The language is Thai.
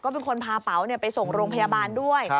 เป็นคนพาเป๋าไปส่งโรงพยาบาลด้วย